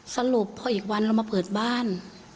สรุปพออีกวันเรามาเปิดบ้าน